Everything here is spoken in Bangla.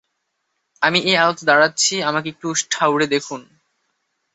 আমি এই আলোতে দাঁড়াচ্ছি, আমাকে একটু ঠাউরে দেখুন!